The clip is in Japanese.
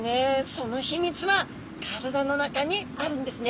その秘密は体の中にあるんですね。